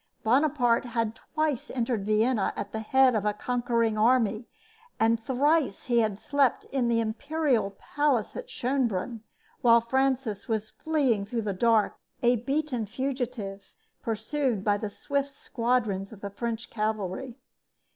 Bonaparte had twice entered Vienna at the head of a conquering army, and thrice he had slept in the imperial palace at Schonbrunn, while Francis was fleeing through the dark, a beaten fugitive pursued by the swift squadrons of French cavalry.